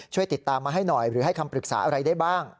ช่วยติดตามมาให้หน่อยหรือให้คำปรึกษาอะไรได้บ้าง